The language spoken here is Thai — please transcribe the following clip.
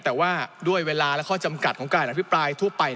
แต่ว่าด้วยเวลาและข้อจำกัดของการอภิปรายทั่วไป